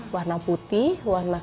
warna putih warna kayu